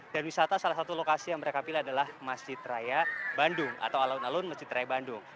dan wisata salah satu lokasi yang mereka pilih adalah masjid raya bandung atau alun alun masjid raya bandung